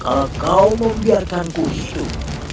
kalau kau membiarkanku hidup